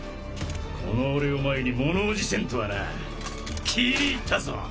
この俺を前に物おじせんとはな気に入ったぞ